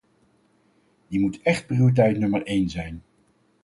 Die moet echt prioriteit nummer één zijn.